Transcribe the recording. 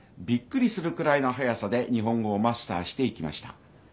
びっくりするくらいの早さで日本語をマスターしていきました。